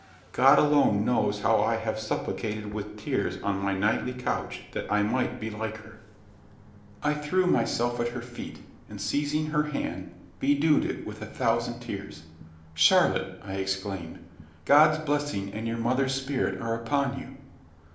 God alone knows how I have supplicated with tears on my nightly couch, that I might be like her." I threw myself at her feet, and, seizing her hand, bedewed it with a thousand tears. "Charlotte!" I exclaimed, "God's blessing and your mother's spirit are upon you."